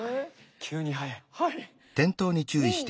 急に速い。